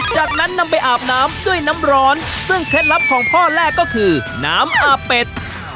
จากนั้นนำไปอาบน้ำด้วยน้ำร้อนซึ่งเคล็ดลับของพ่อแรกก็คือน้ำอาบเป็ด